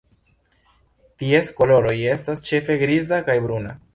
Ties koloroj estas ĉefe griza kaj bruna.